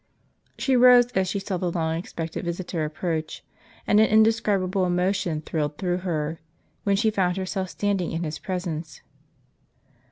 She rose, as she saw the long expected visitor approach, and an indescribable emotion thrilled through her, when she found herself standing in his presence.